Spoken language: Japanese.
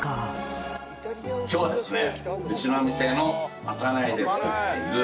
今日はですね